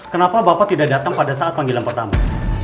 kenapa bapak tidak datang pada saat panggilan pertama